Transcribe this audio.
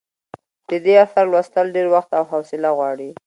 د دې اثر لوستل ډېر وخت او حوصله غواړي.